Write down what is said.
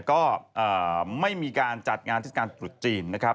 ก็ไม่มีการจัดงานศิษย์การศูนย์จีนนะครับ